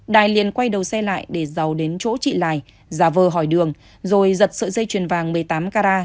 đài liền quay đầu xe lại để giàu đến chỗ chị lài giả vờ hỏi đường rồi giật sợi dây chuyền vàng một mươi tám carat